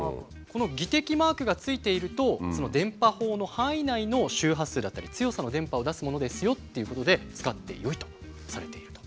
この技適マークが付いてると電波法の範囲内の周波数だったり強さの電波を出すものですよっていうことで使ってよいとされていると。